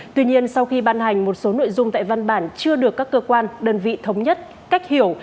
tuy nhiên sau khi ban hành một số nội dung tại văn bản chưa được các cơ quan đơn vị thống nhất cách hiểu